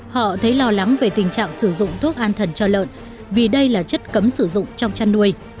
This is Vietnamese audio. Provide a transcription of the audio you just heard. họ thấy lo lắng về tình trạng sử dụng thuốc an thần cho lợn vì đây là chất cấm sử dụng trong chăn nuôi